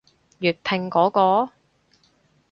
粵拼嗰個？